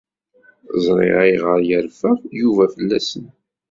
Ẓriɣ ayɣer ay yerfa Yuba fell-asen.